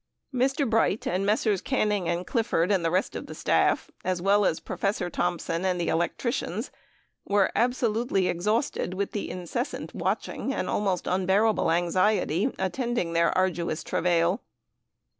Mr. Bright and Messrs. Canning and Clifford and the rest of the staff, as well as Professor Thomson and the electricians, were absolutely exhausted with the incessant watching and almost unbearable anxiety attending their arduous travail.